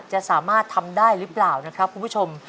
จะสามารถทำได้หรือเปล่านะครับคุณผู้ชม